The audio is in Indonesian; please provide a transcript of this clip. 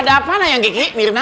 ada apa nayang kiki mirna